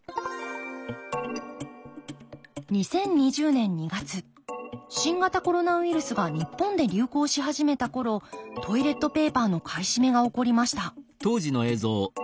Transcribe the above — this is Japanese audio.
２０２０年２月新型コロナウイルスが日本で流行し始めた頃トイレットペーパーの買い占めが起こりました